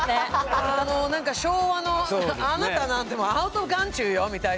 なんか昭和の「あなたなんてアウトオブ眼中よ」みたいな。